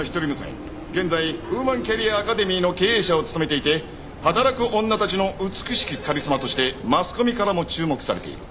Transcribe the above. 現在ウーマンキャリアアカデミーの経営者を務めていて働く女たちの美しきカリスマとしてマスコミからも注目されている。